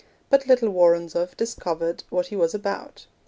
But little Woronzow discovered what he was about.